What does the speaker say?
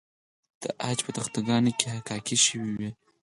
د عاج په تخته ګانو کې حکاکي شوې وه